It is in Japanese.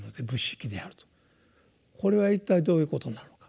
これは一体どういうことなのか。